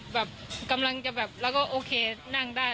แบบกำลังจะแบบแล้วก็โอเคนั่งได้